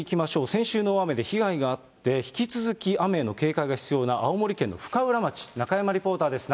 先週の大雨で被害があって、引き続き雨の警戒が必要な青森県の深浦町、中山リポーターです。